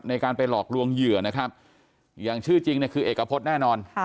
ในการไปหลอกลวงเหยื่อนะครับอย่างชื่อจริงเนี่ยคือเอกพฤษแน่นอน